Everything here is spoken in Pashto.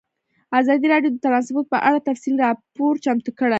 ازادي راډیو د ترانسپورټ په اړه تفصیلي راپور چمتو کړی.